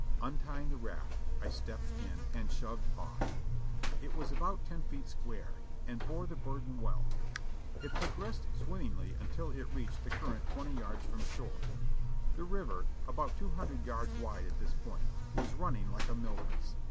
Untying the raft I stepped in and shoved off. It was about ten feet square, and bore the burden well. It progressed swimmingly until it reached the current twenty yards from shore. The river, about two hundred yards wide at this point, was running like a mill race.